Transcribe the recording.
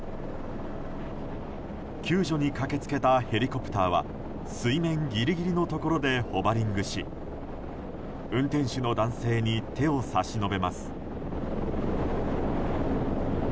救助に駆け付けたヘリコプターは水面ギリギリのところでホバリングし運転手の男性に手を差し伸べます。